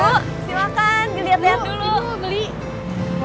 bu silakan dilihat lihat dulu